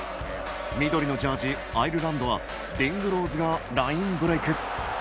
緑のジャージ、アイルランドはリングローズがラインブレーク！